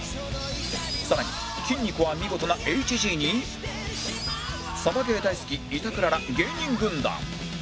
更に筋肉は見事な ＨＧ にサバゲー大好き板倉ら芸人軍団